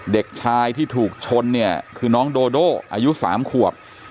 เด็กชายที่ถูกชนเนี่ยคือน้องโดโดอายุ๓ขวบ